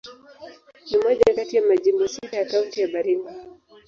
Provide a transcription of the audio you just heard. Ni moja kati ya majimbo sita ya Kaunti ya Baringo.